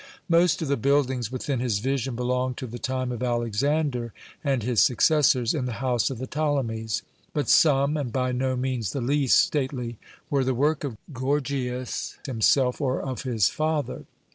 Most of the buildings within his vision belonged to the time of Alexander and his successors in the house of the Ptolemies, but some, and by no means the least stately, were the work of Gorgias himself or of his father.